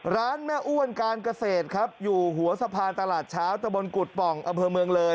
ร้านแม่อ้วนการเกษตรครับอยู่หัวสะพานตลาดเช้าตะบนกุฎป่องอำเภอเมืองเลย